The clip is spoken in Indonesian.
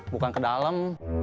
bukan ke dalam